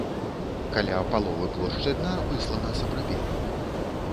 Каля паловы плошчы дна выслана сапрапелем.